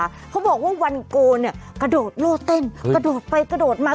เขาบอกว่าวันโกนเนี่ยกระโดดโลดเต้นกระโดดไปกระโดดมา